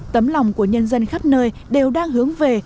tấm lòng của nhân dân khắp nơi đều đang hướng về